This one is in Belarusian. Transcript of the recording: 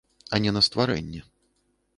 А не на стварэнне.